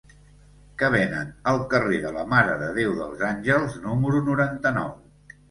Què venen al carrer de la Mare de Déu dels Àngels número noranta-nou?